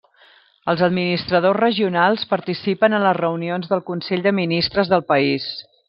Els administradors regionals participen en les reunions del consell de ministres del país.